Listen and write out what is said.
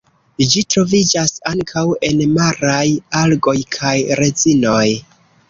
Ĝi troviĝas ankaŭ en maraj algoj kaj rezinoj.